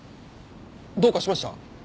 どうかしました？